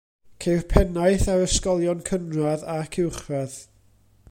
Ceir pennaeth ar ysgolion cynradd ac uwchradd.